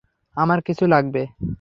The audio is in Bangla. আমার কিছু লাগবে।